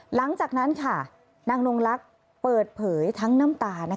หลังจากนั้นค่ะนางนงลักษณ์เปิดเผยทั้งน้ำตา